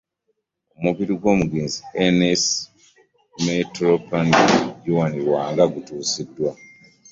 Omubiri gw'omugenzi Hi Metropolitan Jonah Lwanga gutuusiddwa